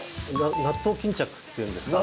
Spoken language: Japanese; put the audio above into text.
納豆巾着っていうんですかね。